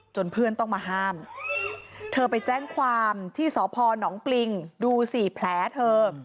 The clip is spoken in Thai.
เพื่อนต้องมาห้ามเธอไปแจ้งความที่สพนปริงดูสิแผลเธอ